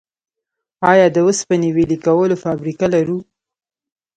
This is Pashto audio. آیا د وسپنې ویلې کولو فابریکه لرو؟